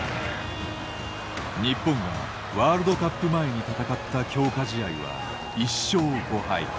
日本がワールドカップ前に戦った強化試合は１勝５敗。